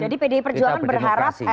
jadi pdi perjuangan berharap